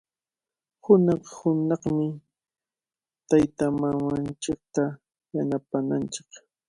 Hunaq-hunaqmi taytamamanchikta yanapananchik.